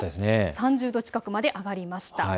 ３０度近くまで上がりました。